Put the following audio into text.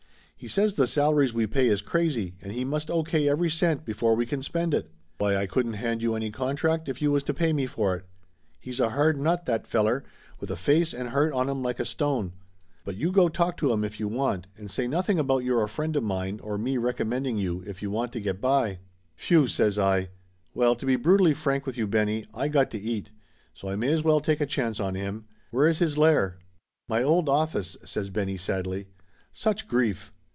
"He says the salaries we pay is crazy, and he must O. K. every cent before we can spend it. Why, I couldn't hand you any contract if you was to pay me for it. He's a hard nut, that feller, with a face and heart on him like a stone. But you 272 Laughter Limited go talk to him if you want and say nothing about you're a friend of mine, or me recommending you, if you want to get by!" "Whew !" says I. "Well, to be brutally frank with you, Benny, I got to eat. So I may as well take a chance on him. Where is his lair?" "My old office!" says Benny sadly. "Such grief!